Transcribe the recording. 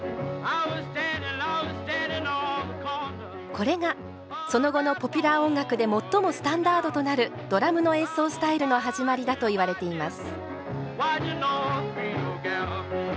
これがその後のポピュラー音楽で最もスタンダードとなるドラムの演奏スタイルの始まりだといわれています。